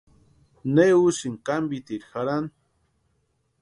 ¿Ne úsïni kámpitiri jarhani?